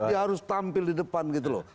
dia harus tampil di depan gitu loh